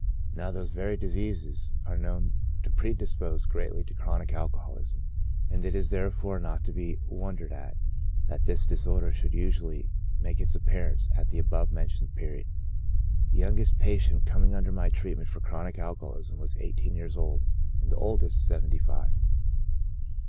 Now, those very diseases are known to predispose greatly to chronic alcoholism, and it is therefore not to be wondered at that this disorder should usually make its appearance at the above mentioned period. The youngest patient coming under my treatment for chronic alcoholism was eighteen years old, and the oldest, seventy five.